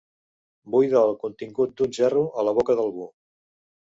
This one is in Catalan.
Buida el contingut d'un gerro a la boca d'algú.